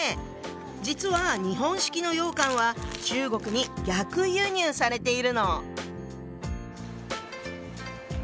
実は日本式の羊羹は中国に逆輸入されているの。